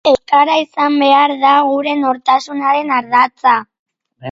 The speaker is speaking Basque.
Euskara izan behar da gure nortasunaren ardatza.